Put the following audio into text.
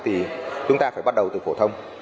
thì chúng ta phải bắt đầu từ phổ thông